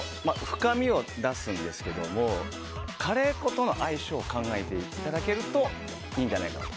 深みを出すんですけどもカレー粉との相性を考えていただけるといいんじゃないかなと。